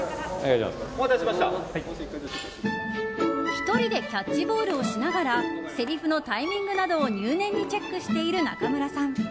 １人でキャッチボールをしながらせりふのタイミングなどを入念にチェックしている中村さん。